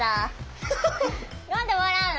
何で笑うの？